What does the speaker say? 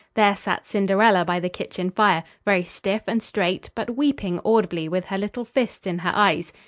There sat Cinderella by the kitchen fire, very stiff and straight, but weeping audibly with her little fists in her eyes.